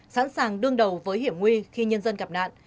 sẵn sàng đương đầu với hiểm nguy khi nhân dân gặp nạn